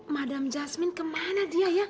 madam jasmine kemana dia ya